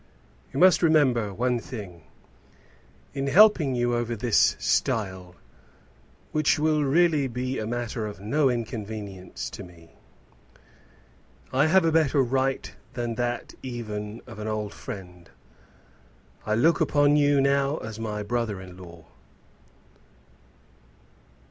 "You must remember one thing; in helping you over this stile, which will be really a matter of no inconvenience to me, I have a better right than that even of an old friend; I look upon you now as my brother in law."